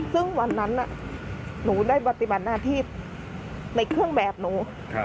ซึ่งวันนั้นหนูได้ปฏิบัติหน้าที่ในเครื่องแบบหนู